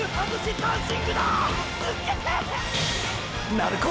鳴子！！